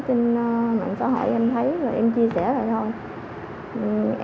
trên mạng xã hội em thấy và em chia sẻ lại thôi